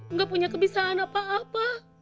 nggak punya kebisaan apa apa